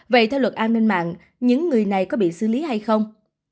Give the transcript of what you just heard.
vậy theo luật an ninh mạng những người này có bị xử lý hay không